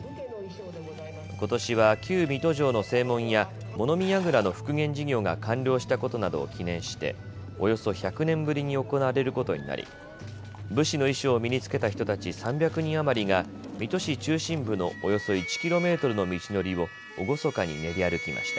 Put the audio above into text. ことしは旧水戸城の正門や物見やぐらの復元事業が完了したことなどを記念しておよそ１００年ぶりに行われることになり武士の衣装を身に着けた人たち３００人余りが水戸市中心部のおよそ１ｋｍの道のりを厳かに練り歩きました。